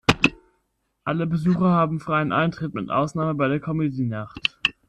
Alle Besucher haben freien Eintritt, mit Ausnahme bei der Comedy-Nacht.